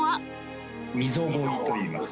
ミゾゴイといいます。